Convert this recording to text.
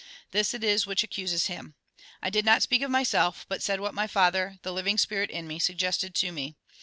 This it is which accuses him. I did not speak of myself, but said what my Father, the living spirit in me, sug gested to me.